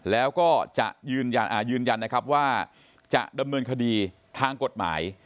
แล้วก็จะยืนยันนะครับว่าจะดำเนินคดีทางกฎหมาย